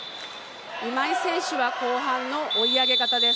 今井選手は後半の追い上げ型です。